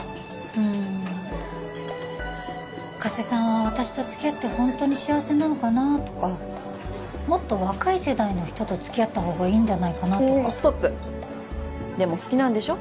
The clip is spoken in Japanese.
うーん加瀬さんは私と付き合ってホントに幸せなのかなとかもっと若い世代の人と付き合ったほうがいいんじゃないかなとかうーんストップでも好きなんでしょ？